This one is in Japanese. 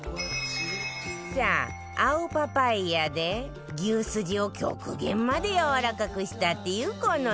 さあ青パパイヤで牛すじを極限までやわらかくしたっていうこの鍋